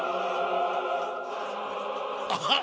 あっ！